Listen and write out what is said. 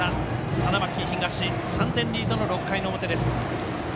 花巻東、３点リードの６回の表。